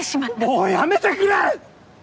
もうやめてくれ！